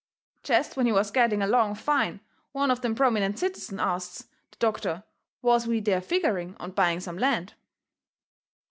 Jest when we was getting along fine one of them prominent citizens asts the doctor was we there figgering on buying some land?